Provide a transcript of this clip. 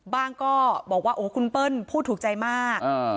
ก็บอกว่าโอ้คุณเปิ้ลพูดถูกใจมาก